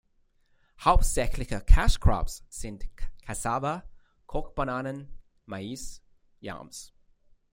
Hauptsächliche cash crops sind Kassava, Kochbananen, Mais, Yams.